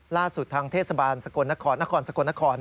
ล่าสุดทางเทศบาลสกลนครนครสกลนคร